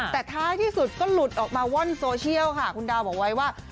แต่ท้ายที่สุดก็หลุดออกมาว่อนโซเชียลค่ะคุณดาวบอกไว้ว่า